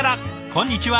こんにちは。